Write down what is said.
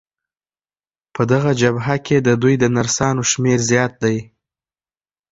په دغه جبهه کې د دوی د نرسانو شمېر زیات دی.